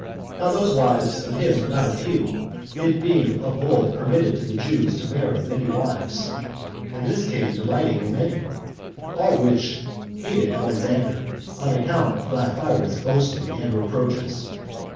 Now those wives of his were not a few; it being of old permitted to the Jews to marry many wives, 39 and this king delighting in many; all which hated Alexander, on account of Glaphyra's boasting and reproaches.